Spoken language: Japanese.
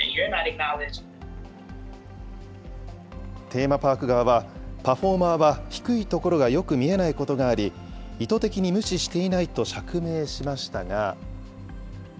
テーマパーク側は、パフォーマーは、低い所がよく見えないことがあり、意図的に無視していないと釈明しましたが。